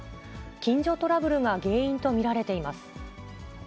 近所トラブルが原因と見られています。